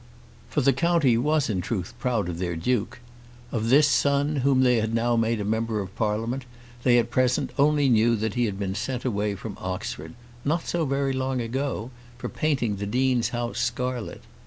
For the county was in truth proud of their Duke. Of this son whom they had now made a Member of Parliament they at present only knew that he had been sent away from Oxford, not so very long ago, for painting the Dean's house scarlet.